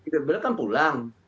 beliau kan pulang